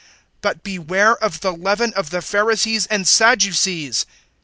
But, beware of the leaven of the Pharisees and Sadducees!